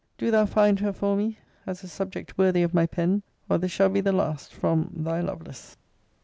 Do thou find her for me, as a subject worthy of my pen, or this shall be the last from Thy LOVELACE.